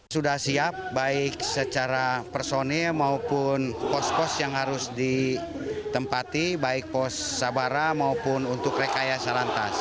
sudah siap baik secara personil maupun pos pos yang harus ditempati baik pos sabara maupun untuk rekayasa lantas